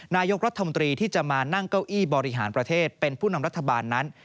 นายกรัฐมนตรีที่จะมานั่งเก้าอี้บริหารประเทศเป็นผู้นำรัฐบาลนั้น